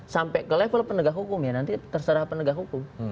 sampai ke level penegak hukum ya nanti terserah penegak hukum